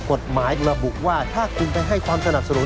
กฎหมายระบุว่าถ้าคุณไปให้ความสนับสนุน